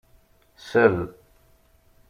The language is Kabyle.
Sel.